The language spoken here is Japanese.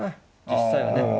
実際はね。